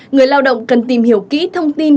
người lao động cần tìm hiểu kỹ thông tin